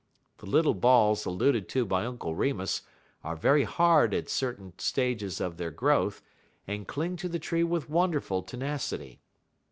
The little balls alluded to by Uncle Remus are very hard at certain stages of their growth, and cling to the tree with wonderful tenacity.